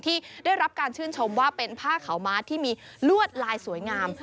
ที่ได้รับการชื่นชมว่าเป็นผ้าขาวม้าที่มีลวดลายสวยงาม